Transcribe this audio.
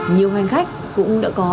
nhiều hành khách cũng đã có